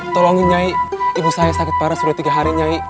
tolongin nyai ibu saya sakit parah sudah tiga hari nyai